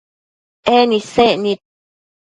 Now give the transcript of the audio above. En isec nid